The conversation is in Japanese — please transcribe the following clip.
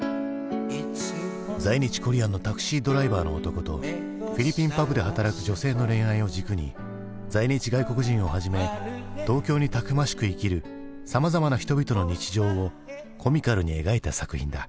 在日コリアンのタクシードライバーの男とフィリピンパブで働く女性の恋愛を軸に在日外国人をはじめ東京にたくましく生きるさまざまな人々の日常をコミカルに描いた作品だ。